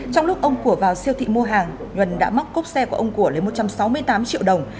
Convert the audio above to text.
trong lúc ông của vào siêu thị mua hàng luân đã móc cốc xe của ông của lấy một trăm sáu mươi tám triệu đồng